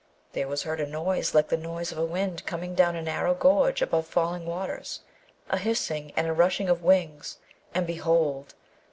There was heard a noise like the noise of a wind coming down a narrow gorge above falling waters, a hissing and a rushing of wings, and behold!